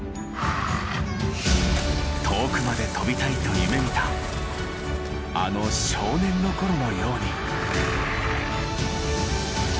遠くまで飛びたいと夢みたあの少年の頃のように。